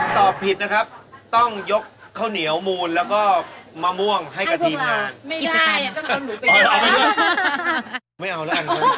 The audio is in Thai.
ตอบผิดนะครับต้องยกข้าวเหนียวหมูลแล้วก็มะม่วงให้กับทีมงาน